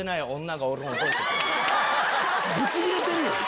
ブチギレてるよ！